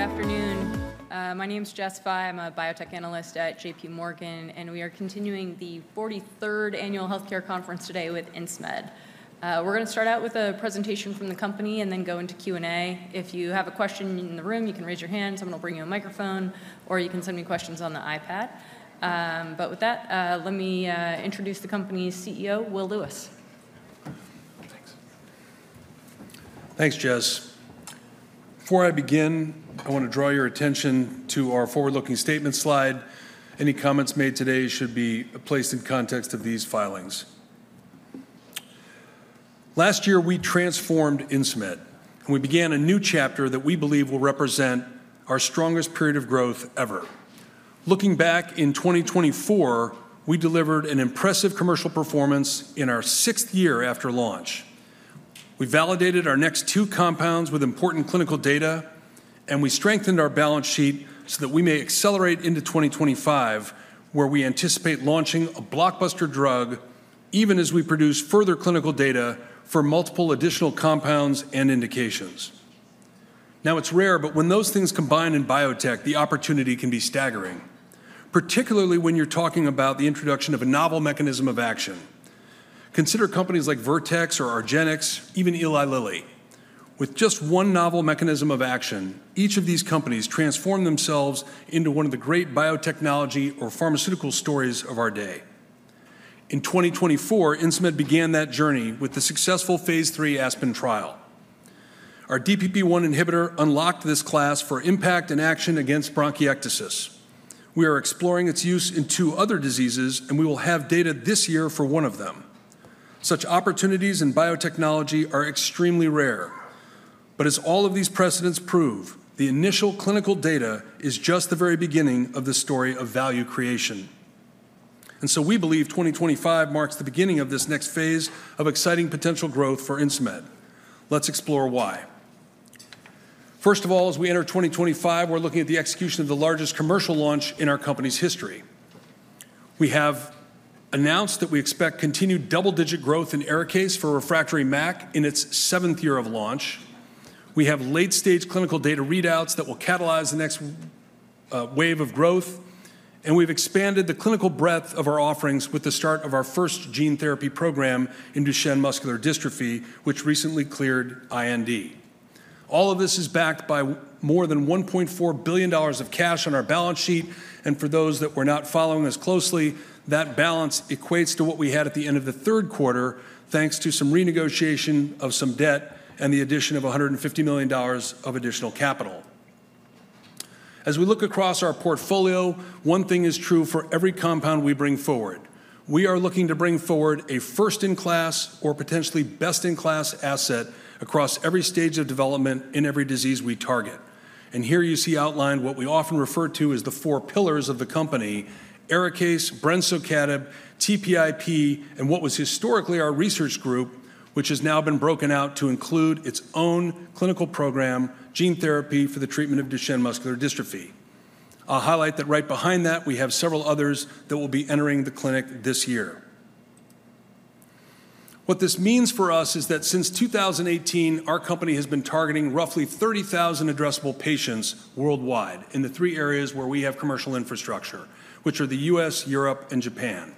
Good afternoon. My name's Jess Fye. I'm a biotech analyst at JPMorgan, and we are continuing the 43rd Annual Healthcare Conference today with Insmed. We're going to start out with a presentation from the company and then go into Q&A. If you have a question in the room, you can raise your hand. Someone will bring you a microphone, or you can send me questions on the iPad. But with that, let me introduce the company's CEO, Will Lewis. Thanks, Jess. Before I begin, I want to draw your attention to our forward-looking statement slide. Any comments made today should be placed in context of these filings. Last year, we transformed Insmed, and we began a new chapter that we believe will represent our strongest period of growth ever. Looking back in 2024, we delivered an impressive commercial performance in our sixth year after launch. We validated our next two compounds with important clinical data, and we strengthened our balance sheet so that we may accelerate into 2025, where we anticipate launching a blockbuster drug even as we produce further clinical data for multiple additional compounds and indications. Now, it's rare, but when those things combine in biotech, the opportunity can be staggering, particularly when you're talking about the introduction of a novel mechanism of action. Consider companies like Vertex or Argenx, even Eli Lilly. With just one novel mechanism of action, each of these companies transformed themselves into one of the great biotechnology or pharmaceutical stories of our day. In 2024, Insmed began that journey with the successful phase III Aspen trial. Our DPP-1 inhibitor unlocked this class for impact and action against bronchiectasis. We are exploring its use in two other diseases, and we will have data this year for one of them. Such opportunities in biotechnology are extremely rare. But as all of these precedents prove, the initial clinical data is just the very beginning of the story of value creation. And so we believe 2025 marks the beginning of this next phase of exciting potential growth for Insmed. Let's explore why. First of all, as we enter 2025, we're looking at the execution of the largest commercial launch in our company's history. We have announced that we expect continued double-digit growth in Arikayce for refractory MAC in its seventh year of launch. We have late-stage clinical data readouts that will catalyze the next wave of growth, and we've expanded the clinical breadth of our offerings with the start of our first gene therapy program in Duchenne muscular dystrophy, which recently cleared IND. All of this is backed by more than $1.4 billion of cash on our balance sheet, and for those that were not following us closely, that balance equates to what we had at the end of the Q3, thanks to some renegotiation of some debt and the addition of $150 million of additional capital. As we look across our portfolio, one thing is true for every compound we bring forward. We are looking to bring forward a first-in-class or potentially best-in-class asset across every stage of development in every disease we target. Here you see outlined what we often refer to as the four pillars of the company: Arikayce, brensocatib, TPIP, and what was historically our research group, which has now been broken out to include its own clinical program, gene therapy for the treatment of Duchenne muscular dystrophy. I'll highlight that right behind that, we have several others that will be entering the clinic this year. What this means for us is that since 2018, our company has been targeting roughly 30,000 addressable patients worldwide in the three areas where we have commercial infrastructure, which are the US, Europe, and Japan.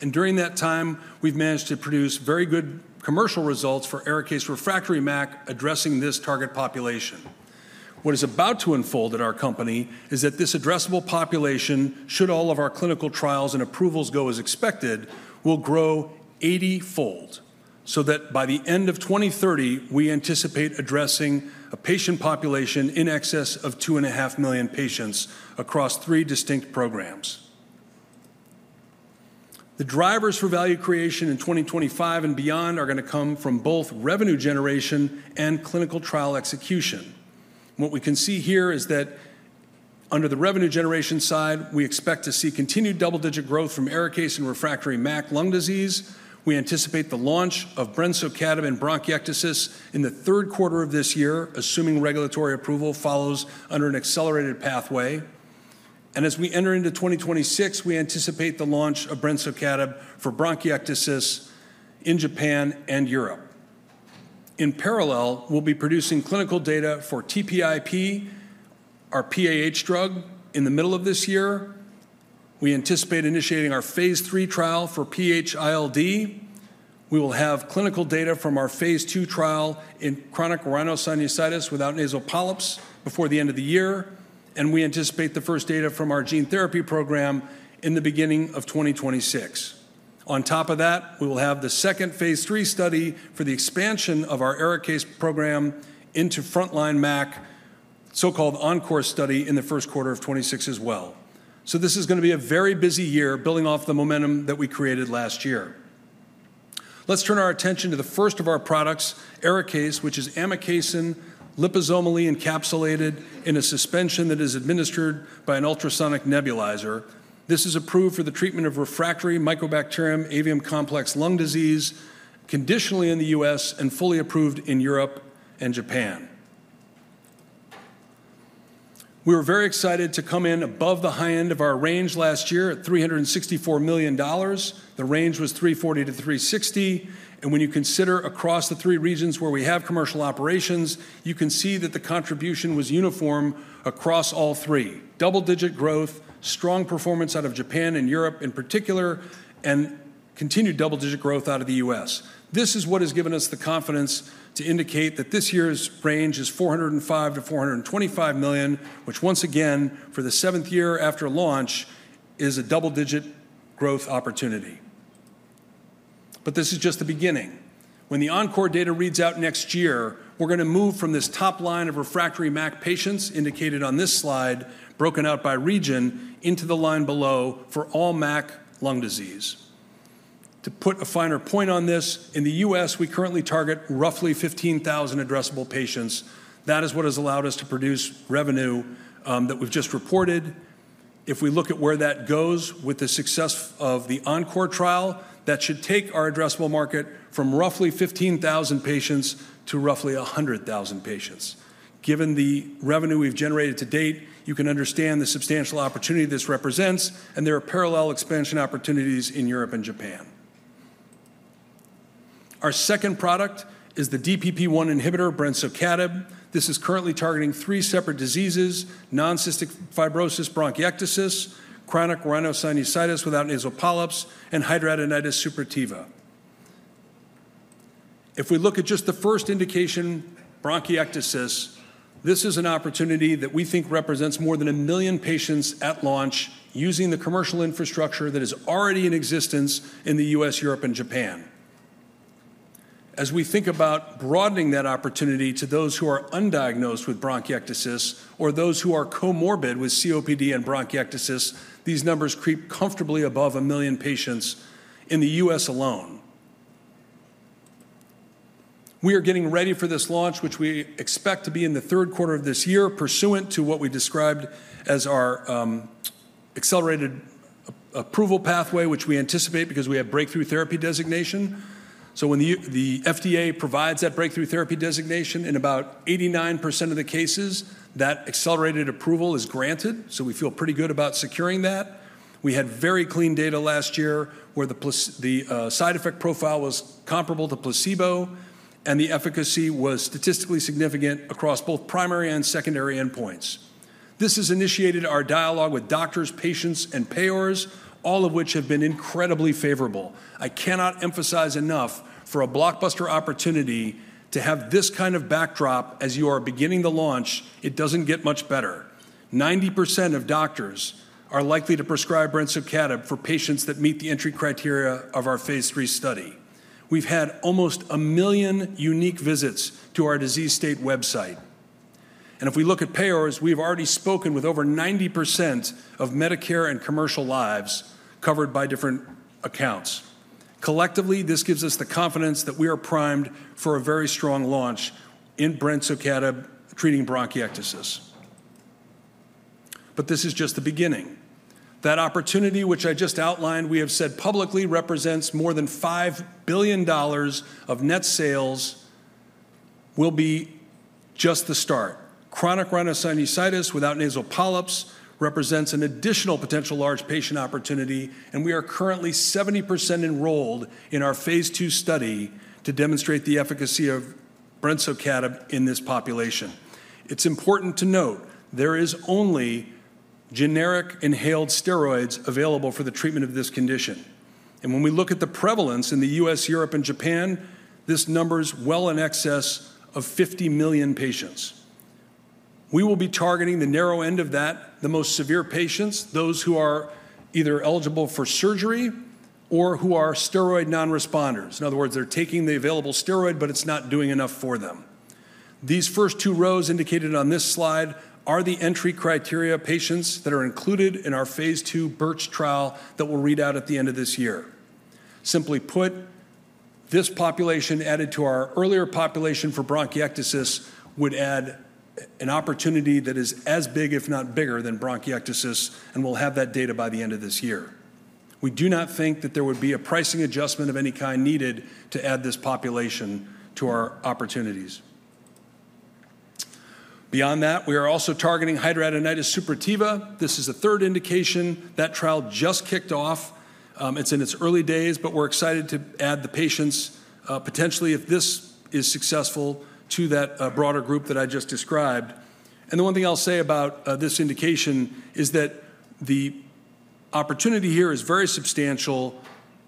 During that time, we've managed to produce very good commercial results for Arikayce refractory MAC addressing this target population. What is about to unfold at our company is that this addressable population, should all of our clinical trials and approvals go as expected, will grow 80-fold so that by the end of 2030, we anticipate addressing a patient population in excess of two and a half million patients across three distinct programs. The drivers for value creation in 2025 and beyond are going to come from both revenue generation and clinical trial execution. What we can see here is that under the revenue generation side, we expect to see continued double-digit growth from Arikayce and refractory MAC lung disease. We anticipate the launch of brensocatib in bronchiectasis in the Q3 of this year, assuming regulatory approval follows under an accelerated pathway, and as we enter into 2026, we anticipate the launch of brensocatib for bronchiectasis in Japan and Europe. In parallel, we'll be producing clinical data for TPIP, our PAH drug, in the middle of this year. We anticipate initiating our phase III trial for PH-ILD. We will have clinical data from our phase II trial in chronic rhinosinusitis without nasal polyps before the end of the year, and we anticipate the first data from our gene therapy program in the beginning of 2026. On top of that, we will have the second phase III study for the expansion of our Arikayce program into frontline MAC, so-called ENCORE study, in the Q1 of 2026 as well, so this is going to be a very busy year building off the momentum that we created last year. Let's turn our attention to the first of our products, Arikayce, which is amikacin liposomally encapsulated in a suspension that is administered by an ultrasonic nebulizer. This is approved for the treatment of refractory Mycobacterium avium complex lung disease conditionally in the U.S. and fully approved in Europe and Japan. We were very excited to come in above the high end of our range last year at $364 million. The range was $340-$360. and when you consider across the three regions where we have commercial operations, you can see that the contribution was uniform across all three: double-digit growth, strong performance out of Japan and Europe in particular, and continued double-digit growth out of the U.S. This is what has given us the confidence to indicate that this year's range is $405-$425 million, which, once again, for the seventh year after launch, is a double-digit growth opportunity. but this is just the beginning. When the ENCORE data reads out next year, we're going to move from this top line of refractory MAC patients indicated on this slide, broken out by region, into the line below for all MAC lung disease. To put a finer point on this, in the U.S., we currently target roughly 15,000 addressable patients. That is what has allowed us to produce revenue that we've just reported. If we look at where that goes with the success of the ENCORE trial, that should take our addressable market from roughly 15,000 patients to roughly 100,000 patients. Given the revenue we've generated to date, you can understand the substantial opportunity this represents, and there are parallel expansion opportunities in Europe and Japan. Our second product is the DPP-1 inhibitor, brensocatib. This is currently targeting three separate diseases: non-cystic fibrosis, bronchiectasis, chronic rhinosinusitis without nasal polyps, and hidradenitis suppurativa. If we look at just the first indication, bronchiectasis, this is an opportunity that we think represents more than a million patients at launch using the commercial infrastructure that is already in existence in the U.S., Europe, and Japan. As we think about broadening that opportunity to those who are undiagnosed with bronchiectasis or those who are comorbid with COPD and bronchiectasis, these numbers creep comfortably above a million patients in the U.S. alone. We are getting ready for this launch, which we expect to be in the Q3 of this year, pursuant to what we described as our accelerated approval pathway, which we anticipate because we have breakthrough therapy designation. So when the FDA provides that breakthrough therapy designation, in about 89% of the cases, that accelerated approval is granted. So we feel pretty good about securing that. We had very clean data last year where the side effect profile was comparable to placebo, and the efficacy was statistically significant across both primary and secondary endpoints. This has initiated our dialogue with doctors, patients, and payers, all of which have been incredibly favorable. I cannot emphasize enough for a blockbuster opportunity to have this kind of backdrop as you are beginning the launch. It doesn't get much better. 90% of doctors are likely to prescribe brensocatib for patients that meet the entry criteria of our phase III study. We've had almost a million unique visits to our disease state website, and if we look at payers, we've already spoken with over 90% of Medicare and commercial lives covered by different accounts. Collectively, this gives us the confidence that we are primed for a very strong launch in brensocatib treating bronchiectasis, but this is just the beginning. That opportunity, which I just outlined, we have said publicly represents more than $5 billion of net sales, will be just the start. Chronic rhinosinusitis without nasal polyps represents an additional potential large patient opportunity, and we are currently 70% enrolled in our phase II study to demonstrate the efficacy of brensocatib in this population. It's important to note there is only generic inhaled steroids available for the treatment of this condition. And when we look at the prevalence in the US, Europe, and Japan, this numbers well in excess of 50 million patients. We will be targeting the narrow end of that, the most severe patients, those who are either eligible for surgery or who are steroid non-responders. In other words, they're taking the available steroid, but it's not doing enough for them. These first two rows indicated on this slide are the entry criteria patients that are included in our phase II Birch trial that we'll read out at the end of this year. Simply put, this population added to our earlier population for bronchiectasis would add an opportunity that is as big, if not bigger, than bronchiectasis, and we'll have that data by the end of this year. We do not think that there would be a pricing adjustment of any kind needed to add this population to our opportunities. Beyond that, we are also targeting hidradenitis suppurativa. This is the third indication. That trial just kicked off. It's in its early days, but we're excited to add the patients, potentially if this is successful, to that broader group that I just described. The one thing I'll say about this indication is that the opportunity here is very substantial,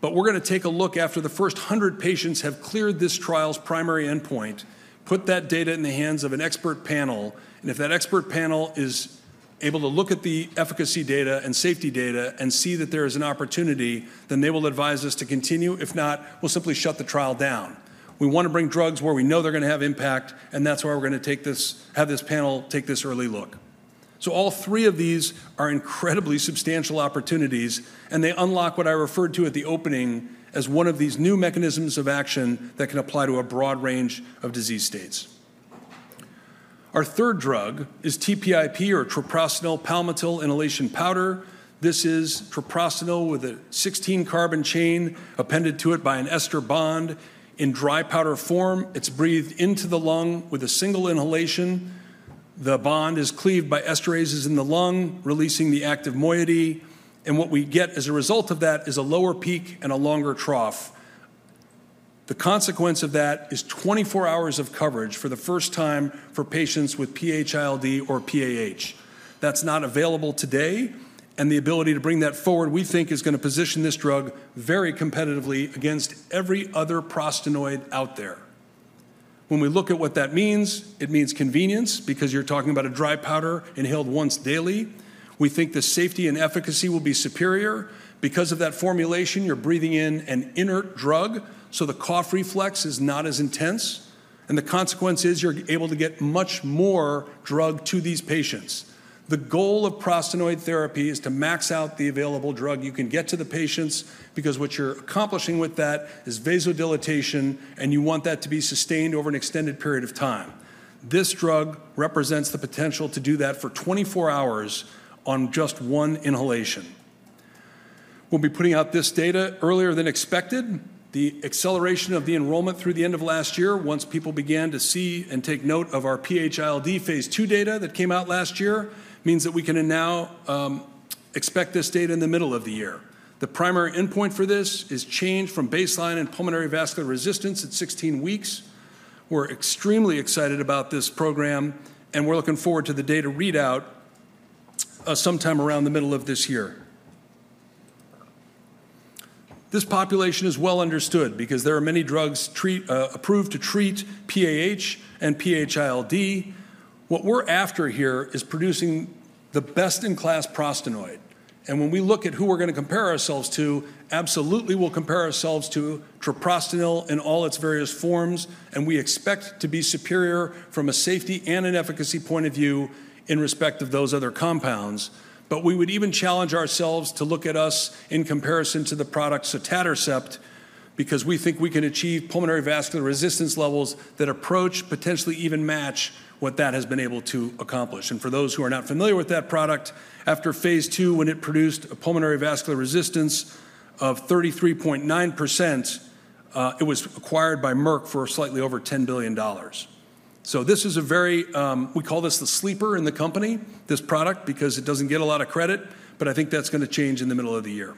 but we're going to take a look after the first 100 patients have cleared this trial's primary endpoint, put that data in the hands of an expert panel. If that expert panel is able to look at the efficacy data and safety data and see that there is an opportunity, then they will advise us to continue. If not, we'll simply shut the trial down. We want to bring drugs where we know they're going to have impact, and that's why we're going to have this panel take this early look. All three of these are incredibly substantial opportunities, and they unlock what I referred to at the opening as one of these new mechanisms of action that can apply to a broad range of disease states. Our third drug is TPIP or treprostinil palmitil inhalation powder. This is treprostinil with a 16-carbon chain appended to it by an ester bond. In dry powder form, it's breathed into the lung with a single inhalation. The bond is cleaved by esterases in the lung, releasing the active moiety, and what we get as a result of that is a lower peak and a longer trough. The consequence of that is 24 hours of coverage for the first time for patients with PHILD or PAH. That's not available today, and the ability to bring that forward, we think, is going to position this drug very competitively against every other prostacyclin out there. When we look at what that means, it means convenience because you're talking about a dry powder inhaled once daily. We think the safety and efficacy will be superior. Because of that formulation, you're breathing in an inert drug, so the cough reflex is not as intense. And the consequence is you're able to get much more drug to these patients. The goal of prostacyclin therapy is to max out the available drug you can get to the patients because what you're accomplishing with that is vasodilation, and you want that to be sustained over an extended period of time. This drug represents the potential to do that for 24 hours on just one inhalation. We'll be putting out this data earlier than expected. The acceleration of the enrollment through the end of last year, once people began to see and take note of our PH-ILD phase II data that came out last year, means that we can now expect this data in the middle of the year. The primary endpoint for this is change from baseline and pulmonary vascular resistance at 16 weeks. We're extremely excited about this program, and we're looking forward to the data readout sometime around the middle of this year. This population is well understood because there are many drugs approved to treat PAH and PH-ILD. What we're after here is producing the best-in-class prostacyclin. And when we look at who we're going to compare ourselves to, absolutely we'll compare ourselves to treprostinil in all its various forms, and we expect to be superior from a safety and an efficacy point of view in respect of those other compounds. But we would even challenge ourselves to look at us in comparison to the product sotatercept because we think we can achieve pulmonary vascular resistance levels that approach, potentially even match what that has been able to accomplish. For those who are not familiar with that product, after phase II, when it produced a pulmonary vascular resistance of 33.9%, it was acquired by Merck for slightly over $10 billion. This is a very, we call this the sleeper in the company, this product, because it doesn't get a lot of credit, but I think that's going to change in the middle of the year.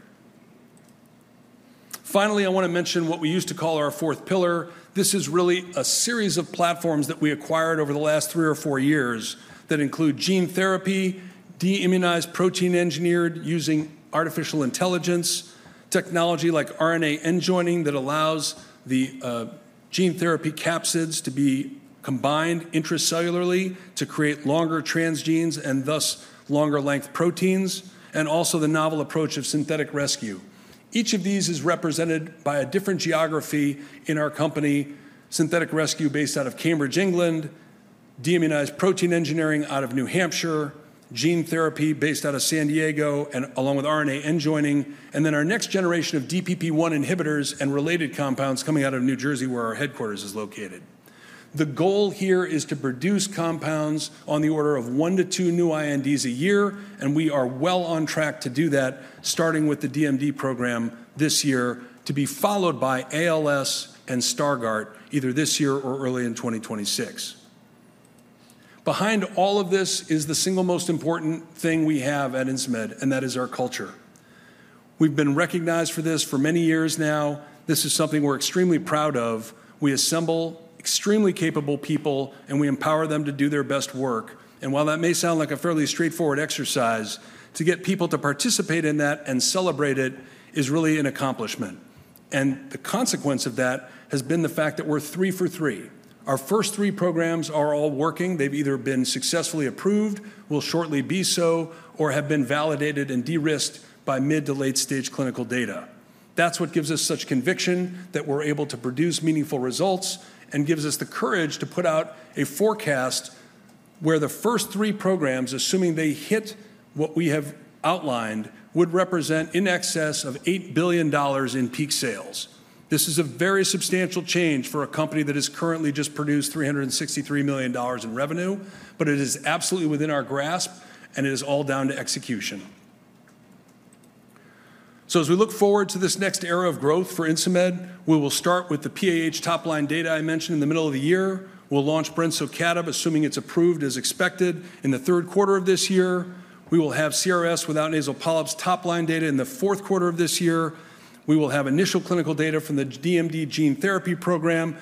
Finally, I want to mention what we used to call our fourth pillar. This is really a series of platforms that we acquired over the last three or four years that include gene therapy, de-immunized protein engineered using artificial intelligence, technology like RNA end joining that allows the gene therapy capsids to be combined intracellularly to create longer transgenes and thus longer-length proteins, and also the novel approach of synthetic rescue. Each of these is represented by a different geography in our company: synthetic rescue based out of Cambridge, England, de-immunized protein engineering out of New Hampshire, gene therapy based out of San Diego, and along with RNA end joining, and then our next generation of DPP-1 inhibitors and related compounds coming out of New Jersey, where our headquarters is located. The goal here is to produce compounds on the order of one to two new INDs a year, and we are well on track to do that, starting with the DMD program this year, to be followed by ALS and Stargardt either this year or early in 2026. Behind all of this is the single most important thing we have at Insmed, and that is our culture. We've been recognized for this for many years now. This is something we're extremely proud of. We assemble extremely capable people, and we empower them to do their best work, and while that may sound like a fairly straightforward exercise, to get people to participate in that and celebrate it is really an accomplishment, and the consequence of that has been the fact that we're three for three. Our first three programs are all working. They've either been successfully approved, will shortly be so, or have been validated and de-risked by mid to late-stage clinical data. That's what gives us such conviction that we're able to produce meaningful results and gives us the courage to put out a forecast where the first three programs, assuming they hit what we have outlined, would represent in excess of $8 billion in peak sales. This is a very substantial change for a company that has currently just produced $363 million in revenue, but it is absolutely within our grasp, and it is all down to execution. So as we look forward to this next era of growth for Insmed, we will start with the PAH top-line data I mentioned in the middle of the year. We'll launch Brensocatib, assuming it's approved as expected, in the Q3 of this year. We will have CRS without nasal polyps top-line data in the Q4 of this year. We will have initial clinical data from the DMD gene therapy program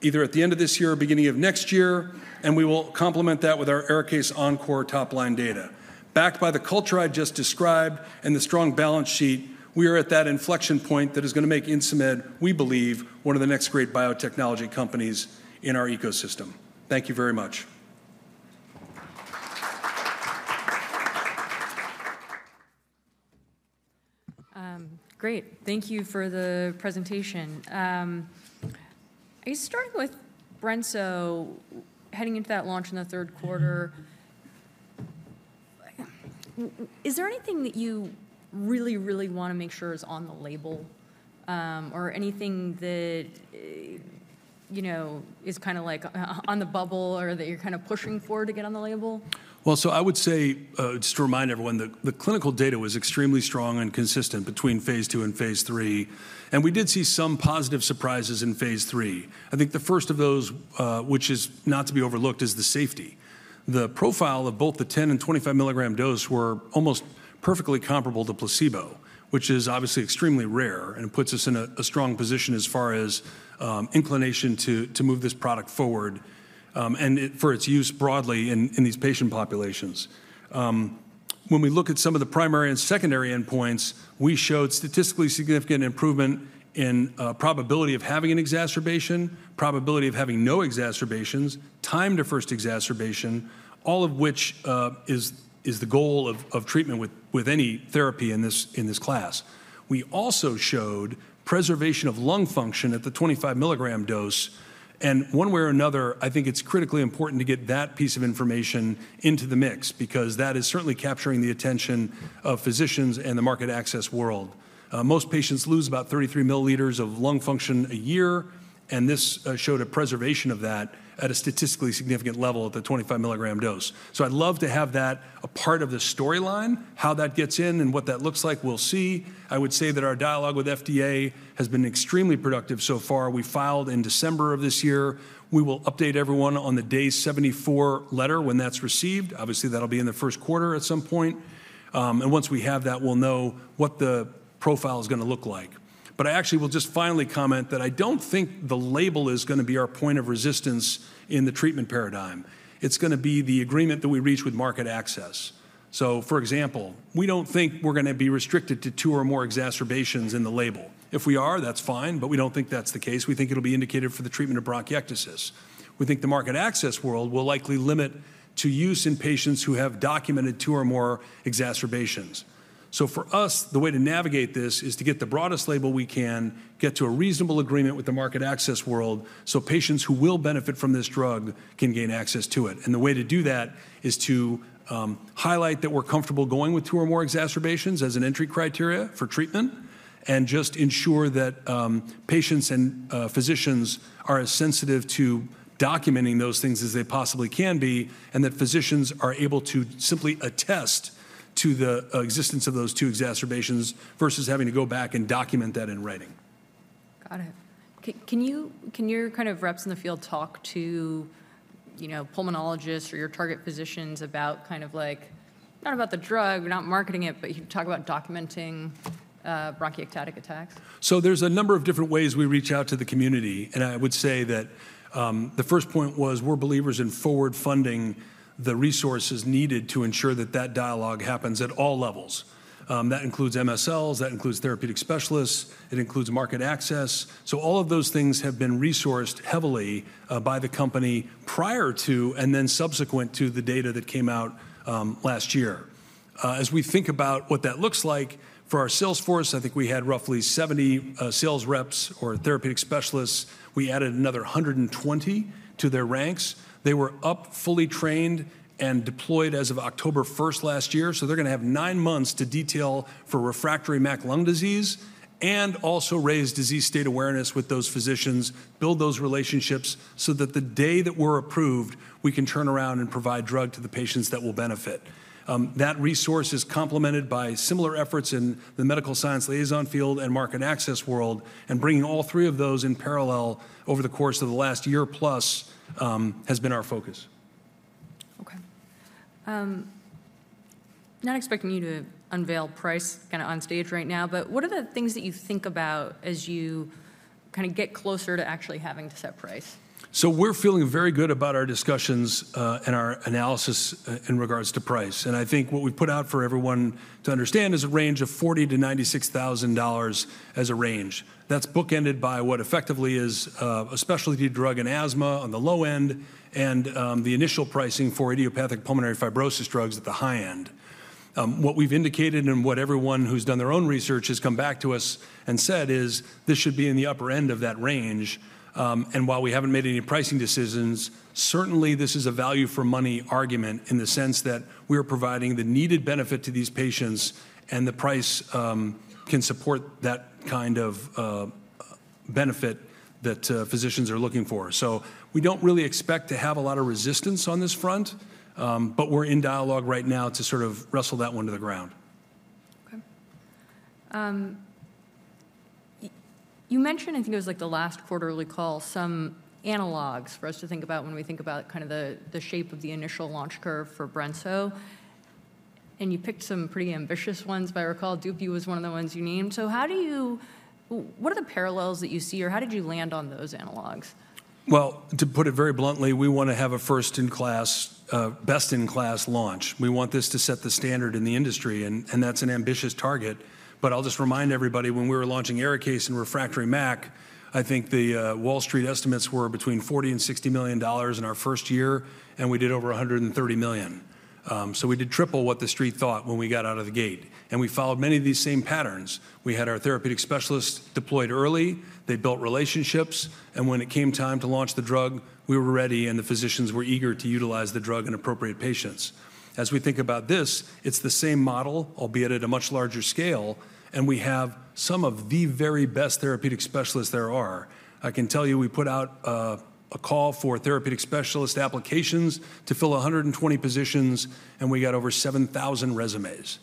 either at the end of this year or beginning of next year, and we will complement that with our Arikayce Encore top-line data. Backed by the culture I just described and the strong balance sheet, we are at that inflection point that is going to make Insmed, we believe, one of the next great biotechnology companies in our ecosystem. Thank you very much. Great. Thank you for the presentation. I guess starting with brensocatib heading into that launch in the Q3, is there anything that you really, really want to make sure is on the label or anything that is kind of like on the bubble or that you're kind of pushing for to get on the label? Well, so I would say just to remind everyone, the clinical data was extremely strong and consistent between phase II and phase III. And we did see some positive surprises in phase III. I think the first of those, which is not to be overlooked, is the safety. The profile of both the 10 and 25 milligram dose were almost perfectly comparable to placebo, which is obviously extremely rare and puts us in a strong position as far as inclination to move this product forward and for its use broadly in these patient populations. When we look at some of the primary and secondary endpoints, we showed statistically significant improvement in probability of having an exacerbation, probability of having no exacerbations, time to first exacerbation, all of which is the goal of treatment with any therapy in this class. We also showed preservation of lung function at the 25 milligram dose, and one way or another, I think it's critically important to get that piece of information into the mix because that is certainly capturing the attention of physicians and the market access world. Most patients lose about 33 milliliters of lung function a year, and this showed a preservation of that at a statistically significant level at the 25 milligram dose, so I'd love to have that a part of the storyline, how that gets in and what that looks like, we'll see. I would say that our dialogue with FDA has been extremely productive so far. We filed in December of this year. We will update everyone on the Day 74 Letter when that's received. Obviously, that'll be in the Q1 at some point, and once we have that, we'll know what the profile is going to look like, but I actually will just finally comment that I don't think the label is going to be our point of resistance in the treatment paradigm. It's going to be the agreement that we reach with market access. So for example, we don't think we're going to be restricted to two or more exacerbations in the label. If we are, that's fine, but we don't think that's the case. We think it'll be indicated for the treatment of bronchiectasis. We think the market access world will likely limit to use in patients who have documented two or more exacerbations. So for us, the way to navigate this is to get the broadest label we can, get to a reasonable agreement with the market access world so patients who will benefit from this drug can gain access to it. And the way to do that is to highlight that we're comfortable going with two or more exacerbations as an entry criteria for treatment and just ensure that patients and physicians are as sensitive to documenting those things as they possibly can be and that physicians are able to simply attest to the existence of those two exacerbations versus having to go back and document that in writing. Got it. Can your kind of reps in the field talk to pulmonologists or your target physicians about kind of like not about the drug, not marketing it, but you talk about documenting bronchiectatic attacks? So there's a number of different ways we reach out to the community. And I would say that the first point was we're believers in forward funding the resources needed to ensure that that dialogue happens at all levels. That includes MSLs, that includes therapeutic specialists, it includes market access. So all of those things have been resourced heavily by the company prior to and then subsequent to the data that came out last year. As we think about what that looks like, for our sales force, I think we had roughly 70 sales reps or therapeutic specialists. We added another 120 to their ranks. They were up, fully trained, and deployed as of October 1st last year. So they're going to have nine months to detail for refractory MAC lung disease and also raise disease state awareness with those physicians, build those relationships so that the day that we're approved, we can turn around and provide drug to the patients that will benefit. That resource is complemented by similar efforts in the medical science liaison field and market access world. And bringing all three of those in parallel over the course of the last year plus has been our focus. Okay. Not expecting you to unveil price kind of on stage right now, but what are the things that you think about as you kind of get closer to actually having to set price? So we're feeling very good about our discussions and our analysis in regards to price. And I think what we put out for everyone to understand is a range of $40,000-$96,000 as a range. That's bookended by what effectively is a specialty drug in asthma on the low end and the initial pricing for idiopathic pulmonary fibrosis drugs at the high end. What we've indicated and what everyone who's done their own research has come back to us and said is this should be in the upper end of that range. And while we haven't made any pricing decisions, certainly this is a value for money argument in the sense that we are providing the needed benefit to these patients and the price can support that kind of benefit that physicians are looking for. So we don't really expect to have a lot of resistance on this front, but we're in dialogue right now to sort of wrestle that one to the ground. Okay. You mentioned, I think it was like the last quarterly call, some analogs for us to think about when we think about kind of the shape of the initial launch curve for brensocatib. And you picked some pretty ambitious ones, if I recall. Dupixent was one of the ones you named. So how do you—what are the parallels that you see, or how did you land on those analogs? To put it very bluntly, we want to have a first-in-class, best-in-class launch. We want this to set the standard in the industry, and that's an ambitious target. But I'll just remind everybody, when we were launching Arikayce and refractory MAC, I think the Wall Street estimates were between $40 million and $60 million in our first year, and we did over $130 million. So we did triple what the street thought when we got out of the gate. And we followed many of these same patterns. We had our therapeutic specialists deployed early. They built relationships. And when it came time to launch the drug, we were ready, and the physicians were eager to utilize the drug in appropriate patients. As we think about this, it's the same model, albeit at a much larger scale, and we have some of the very best therapeutic specialists there are. I can tell you we put out a call for therapeutic specialist applications to fill 120 positions, and we got over 7,000 resumes.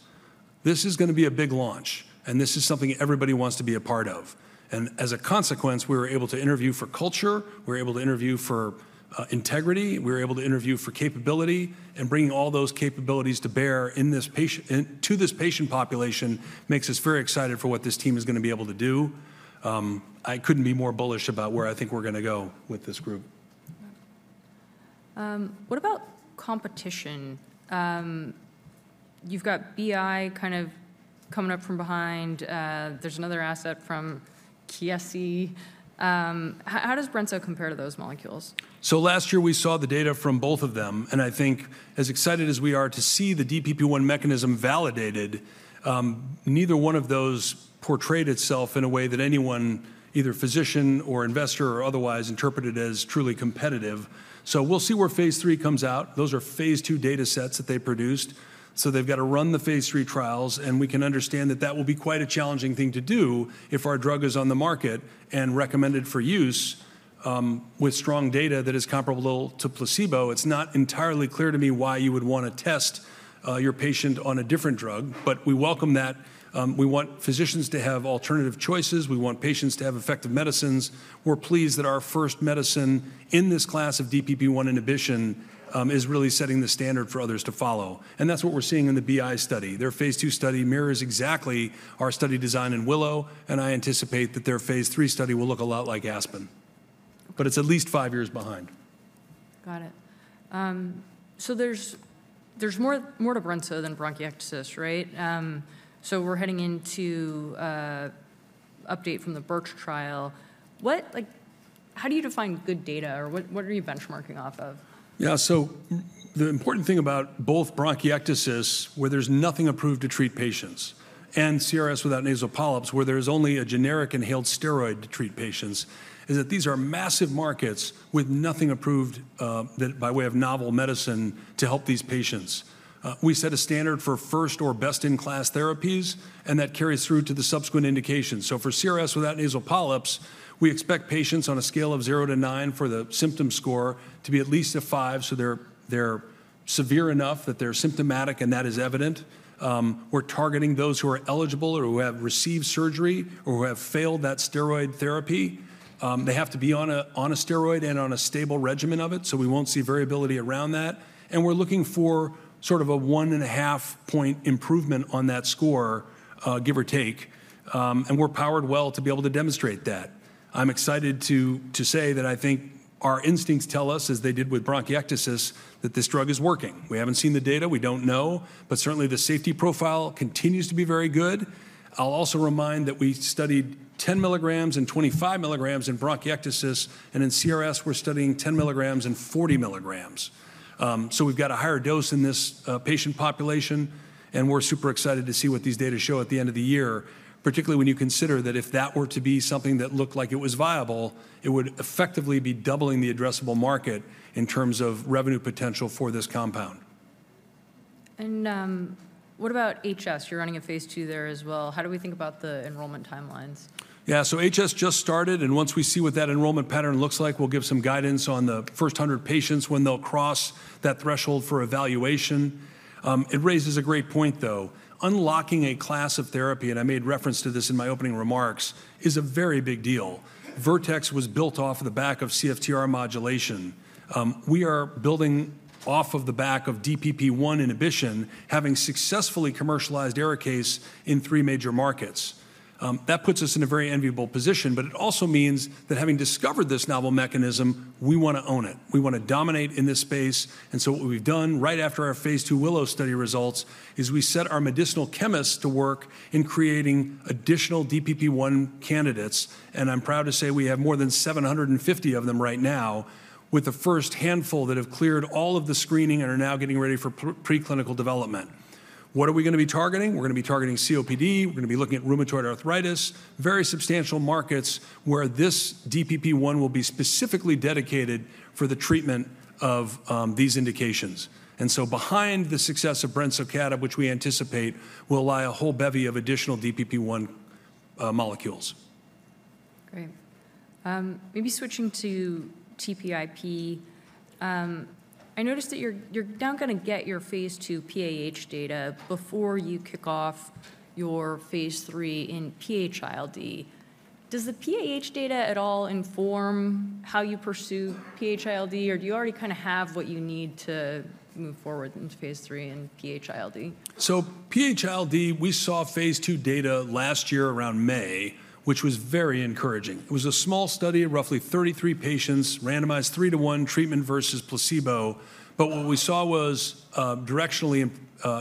This is going to be a big launch, and this is something everybody wants to be a part of. And as a consequence, we were able to interview for culture. We were able to interview for integrity. We were able to interview for capability. And bringing all those capabilities to bear to this patient population makes us very excited for what this team is going to be able to do. I couldn't be more bullish about where I think we're going to go with this group. What about competition? You've got BI kind of coming up from behind. There's another asset from Chiesi. How does brensocatib compare to those molecules? So last year, we saw the data from both of them. I think as excited as we are to see the DPP-1 mechanism validated, neither one of those portrayed itself in a way that anyone, either physician or investor or otherwise, interpreted as truly competitive. We'll see where phase III comes out. Those are phase II data sets that they produced. They've got to run the phase III trials. We can understand that that will be quite a challenging thing to do if our drug is on the market and recommended for use with strong data that is comparable to placebo. It's not entirely clear to me why you would want to test your patient on a different drug, but we welcome that. We want physicians to have alternative choices. We want patients to have effective medicines. We're pleased that our first medicine in this class of DPP-1 inhibition is really setting the standard for others to follow, and that's what we're seeing in the BI study. Their phase II study mirrors exactly our study design in Willow, and I anticipate that their phase III study will look a lot like Aspen, but it's at least five years behind. Got it, so there's more to brensocatib than bronchiectasis, right? So we're heading into an update from the Birch trial. How do you define good data, or what are you benchmarking off of? Yeah, so the important thing about both bronchiectasis, where there's nothing approved to treat patients, and CRS without nasal polyps, where there is only a generic inhaled steroid to treat patients, is that these are massive markets with nothing approved by way of novel medicine to help these patients. We set a standard for first or best-in-class therapies, and that carries through to the subsequent indications. So for CRS without nasal polyps, we expect patients on a scale of zero to nine for the symptom score to be at least a five, so they're severe enough that they're symptomatic and that is evident. We're targeting those who are eligible or who have received surgery or who have failed that steroid therapy. They have to be on a steroid and on a stable regimen of it, so we won't see variability around that. And we're looking for sort of a one-and-a-half-point improvement on that score, give or take. And we're powered well to be able to demonstrate that. I'm excited to say that I think our instincts tell us, as they did with bronchiectasis, that this drug is working. We haven't seen the data. We don't know. But certainly, the safety profile continues to be very good. I'll also remind that we studied 10 milligrams and 25 milligrams in bronchiectasis, and in CRS, we're studying 10 milligrams and 40 milligrams. So we've got a higher dose in this patient population, and we're super excited to see what these data show at the end of the year, particularly when you consider that if that were to be something that looked like it was viable, it would effectively be doubling the addressable market in terms of revenue potential for this compound. And what about HS? You're running a phase II there as well. How do we think about the enrollment timelines? Yeah. So HS just started, and once we see what that enrollment pattern looks like, we'll give some guidance on the first 100 patients when they'll cross that threshold for evaluation. It raises a great point, though. Unlocking a class of therapy, and I made reference to this in my opening remarks, is a very big deal. Vertex was built off of the back of CFTR modulation. We are building off of the back of DPP-1 inhibition, having successfully commercialized Arikayce in three major markets. That puts us in a very enviable position, but it also means that having discovered this novel mechanism, we want to own it. We want to dominate in this space. And so what we've done right after our phase II WILLOW study results is we set our medicinal chemists to work in creating additional DPP-1 candidates. And I'm proud to say we have more than 750 of them right now, with the first handful that have cleared all of the screening and are now getting ready for preclinical development. What are we going to be targeting? We're going to be targeting COPD. We're going to be looking at rheumatoid arthritis, very substantial markets where this DPP-1 will be specifically dedicated for the treatment of these indications. And so behind the success of brensocatib, which we anticipate, will lie a whole bevy of additional DPP-1 molecules. Great. Maybe switching to TPIP, I noticed that you're now going to get your phase II PAH data before you kick off your phase III in PH-ILD. Does the PAH data at all inform how you pursue PH-ILD, or do you already kind of have what you need to move forward into phase III and PH-ILD? So PH-ILD, we saw phase II data last year around May, which was very encouraging. It was a small study of roughly 33 patients, randomized three-to-one treatment versus placebo. But what we saw was directional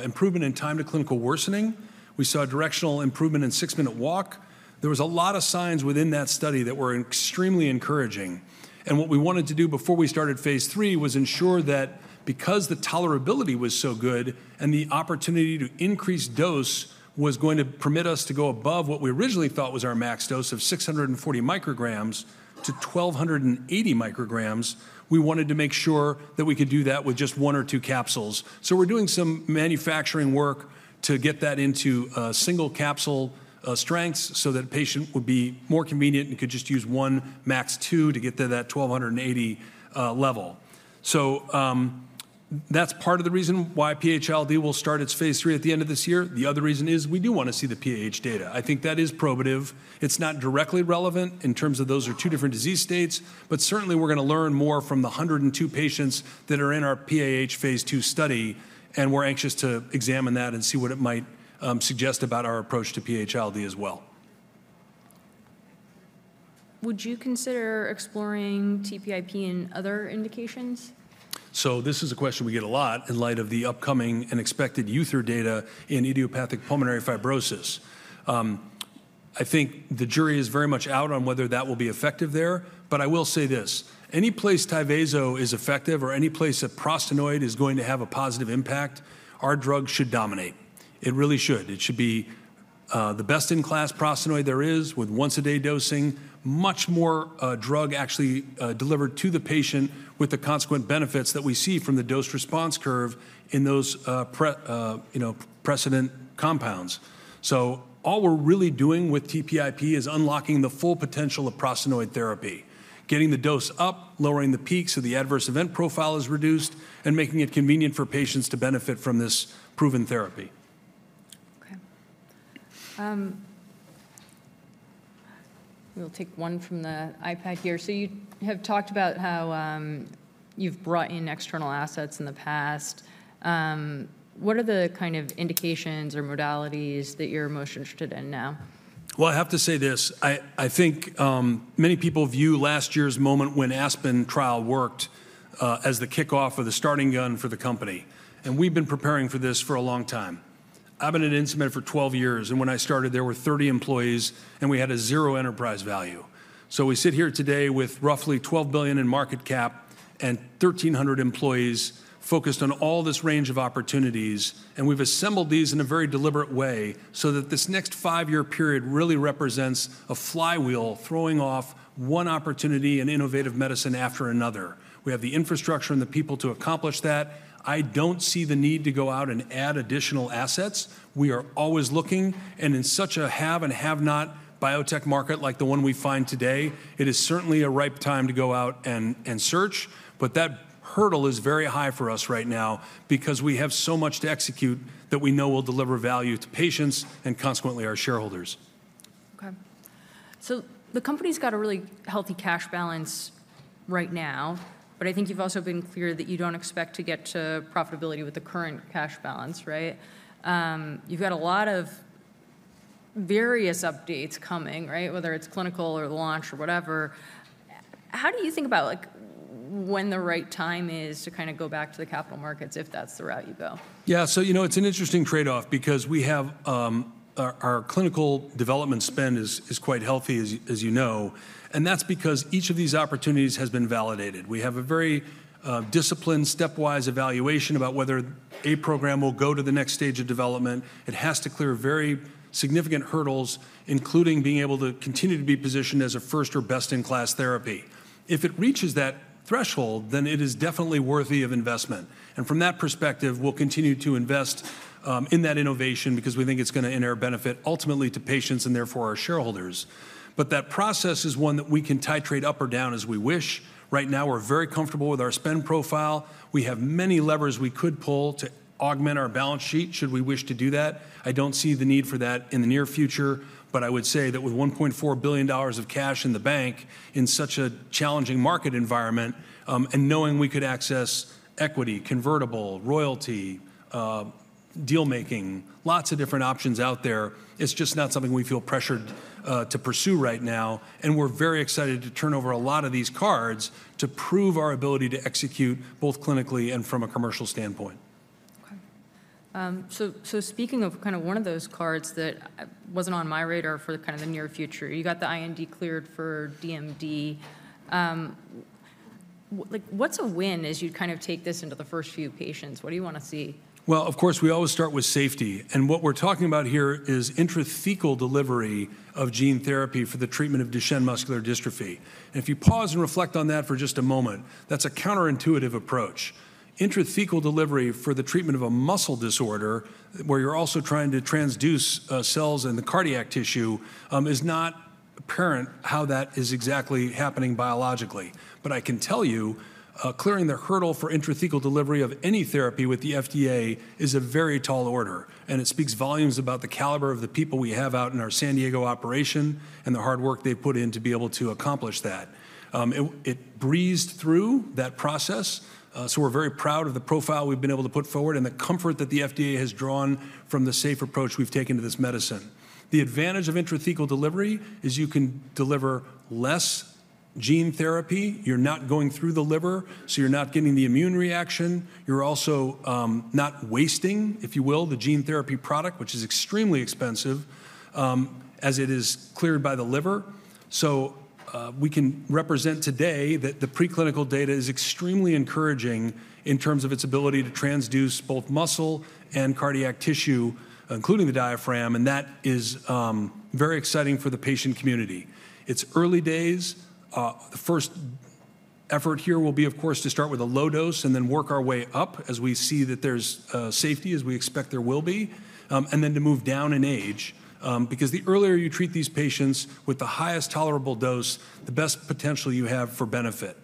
improvement in time to clinical worsening. We saw directional improvement in six-minute walk. There were a lot of signs within that study that were extremely encouraging, and what we wanted to do before we started phase III was ensure that because the tolerability was so good and the opportunity to increase dose was going to permit us to go above what we originally thought was our max dose of 640 micrograms to 1,280 micrograms, we wanted to make sure that we could do that with just one or two capsules, so we're doing some manufacturing work to get that into single capsule strengths so that a patient would be more convenient and could just use one max two to get to that 1,280 level, so that's part of the reason why PH-ILD will start its phase III at the end of this year. The other reason is we do want to see the PAH data. I think that is probative. It's not directly relevant in terms of those are two different disease states, but certainly, we're going to learn more from the 102 patients that are in our PAH phase II study, and we're anxious to examine that and see what it might suggest about our approach to PH-ILD as well. Would you consider exploring TPIP in other indications? So this is a question we get a lot in light of the upcoming and expected Either data in idiopathic pulmonary fibrosis. I think the jury is very much out on whether that will be effective there, but I will say this: any place Tyvaso is effective or any place that prostacyclin is going to have a positive impact, our drug should dominate. It really should. It should be the best-in-class prostacyclin there is with once-a-day dosing, much more drug actually delivered to the patient with the consequent benefits that we see from the dose-response curve in those precedent compounds. So all we're really doing with TPIP is unlocking the full potential of prostacyclin therapy, getting the dose up, lowering the peak so the adverse event profile is reduced, and making it convenient for patients to benefit from this proven therapy. Okay. We'll take one from the iPad here. So you have talked about how you've brought in external assets in the past. What are the kind of indications or modalities that you're most interested in now? Well, I have to say this. I think many people view last year's moment when ASPEN trial worked as the kickoff or the starting gun for the company. And we've been preparing for this for a long time. I've been at Insmed for 12 years, and when I started, there were 30 employees, and we had a zero enterprise value. So we sit here today with roughly $12 billion in market cap and 1,300 employees focused on all this range of opportunities, and we've assembled these in a very deliberate way so that this next five-year period really represents a flywheel throwing off one opportunity and innovative medicine after another. We have the infrastructure and the people to accomplish that. I don't see the need to go out and add additional assets. We are always looking. And in such a have-and-have-not biotech market like the one we find today, it is certainly a ripe time to go out and search. But that hurdle is very high for us right now because we have so much to execute that we know will deliver value to patients and consequently our shareholders. Okay. So the company's got a really healthy cash balance right now, but I think you've also been clear that you don't expect to get to profitability with the current cash balance, right? You've got a lot of various updates coming, right, whether it's clinical or launch or whatever. How do you think about when the right time is to kind of go back to the capital markets if that's the route you go? Yeah. So it's an interesting trade-off because our clinical development spend is quite healthy, as you know, and that's because each of these opportunities has been validated. We have a very disciplined, stepwise evaluation about whether a program will go to the next stage of development. It has to clear very significant hurdles, including being able to continue to be positioned as a first or best-in-class therapy. If it reaches that threshold, then it is definitely worthy of investment. And from that perspective, we'll continue to invest in that innovation because we think it's going to inherent benefit ultimately to patients and therefore our shareholders. But that process is one that we can titrate up or down as we wish. Right now, we're very comfortable with our spend profile. We have many levers we could pull to augment our balance sheet should we wish to do that. I don't see the need for that in the near future, but I would say that with $1.4 billion of cash in the bank in such a challenging market environment and knowing we could access equity, convertible, royalty, dealmaking, lots of different options out there, it's just not something we feel pressured to pursue right now, and we're very excited to turn over a lot of these cards to prove our ability to execute both clinically and from a commercial standpoint. Okay, so speaking of kind of one of those cards that wasn't on my radar for kind of the near future, you got the IND cleared for DMD. What's a win as you kind of take this into the first few patients? What do you want to see? Well, of course, we always start with safety. What we're talking about here is intrathecal delivery of gene therapy for the treatment of Duchenne Muscular Dystrophy. If you pause and reflect on that for just a moment, that's a counterintuitive approach. Intrathecal delivery for the treatment of a muscle disorder where you're also trying to transduce cells in the cardiac tissue is not apparent how that is exactly happening biologically. I can tell you, clearing the hurdle for intrathecal delivery of any therapy with the FDA is a very tall order, and it speaks volumes about the caliber of the people we have out in our San Diego operation and the hard work they've put in to be able to accomplish that. It breezed through that process, so we're very proud of the profile we've been able to put forward and the comfort that the FDA has drawn from the safe approach we've taken to this medicine. The advantage of intrathecal delivery is you can deliver less gene therapy. You're not going through the liver, so you're not getting the immune reaction. You're also not wasting, if you will, the gene therapy product, which is extremely expensive as it is cleared by the liver. So we can represent today that the preclinical data is extremely encouraging in terms of its ability to transduce both muscle and cardiac tissue, including the diaphragm, and that is very exciting for the patient community. It's early days. The first effort here will be, of course, to start with a low dose and then work our way up as we see that there's safety, as we expect there will be, and then to move down in age because the earlier you treat these patients with the highest tolerable dose, the best potential you have for benefit.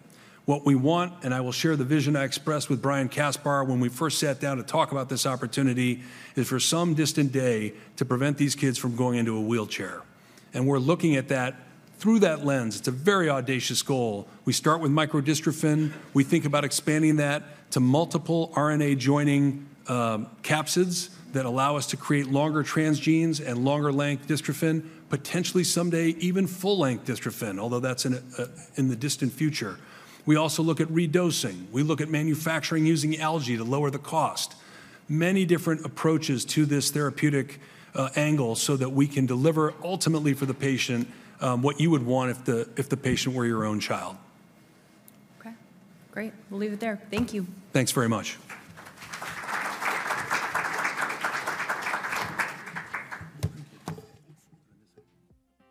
What we want, and I will share the vision I expressed with Brian Kaspar when we first sat down to talk about this opportunity, is for some distant day to prevent these kids from going into a wheelchair, and we're looking at that through that lens. It's a very audacious goal. We start with microdystrophin. We think about expanding that to multiple RNA end-joining capsids that allow us to create longer transgenes and longer-length dystrophin, potentially someday even full-length dystrophin, although that's in the distant future. We also look at redosing. We look at manufacturing using algae to lower the cost. Many different approaches to this therapeutic angle so that we can deliver ultimately for the patient what you would want if the patient were your own child. Okay. Great. We'll leave it there. Thank you. Thanks very much.